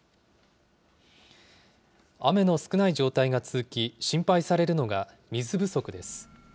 雨の少ない状態が続き、心配されるのが水不足です。